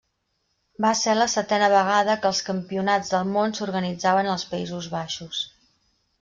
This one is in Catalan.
Va ser la setena vegada que els campionats del món s'organitzaven als Països Baixos.